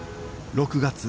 ６月。